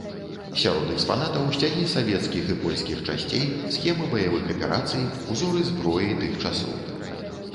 Сярод экспанатаў сцягі савецкіх і польскіх часцей, схемы баявых аперацый, узоры зброі тых часоў.